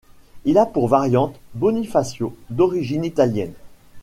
Il a pour variante Bonifacio, d'origine italienne.